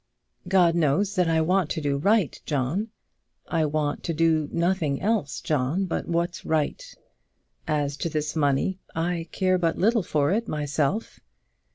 "God knows that I want to do right, John. I want to do nothing else, John, but what's right. As to this money, I care but little for it for myself."